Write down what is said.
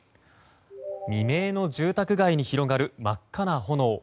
未明の住宅街に広がる真っ赤な炎。